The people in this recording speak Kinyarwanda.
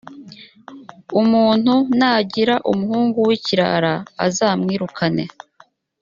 umuntu nagira umuhungu w’ikirara azamwirukane